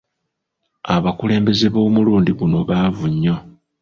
Abakulembeze b'omulundi guno baavu nnyo.